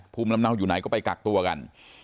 ภูมิลำเนาอยู่ไหนก็ไปกักตัวกัน